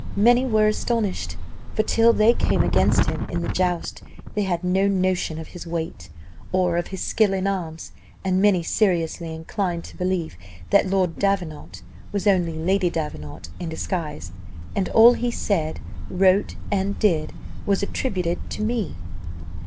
Many were astonished, for, till they came against him in the joust, they had no notion of his weight, or of his skill in arms; and many seriously inclined to believe that Lord Davenant was only Lady Davenant in disguise, and all he said, wrote, and did, was attributed to me.